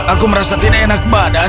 aku merasa tidak enak badan